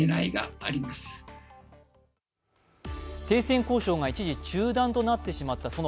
停戦交渉が一時中断となってしまった、